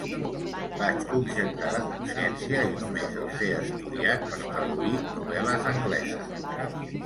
Vaig objectar de consciència i només els he estudiat per traduir novel·les angleses.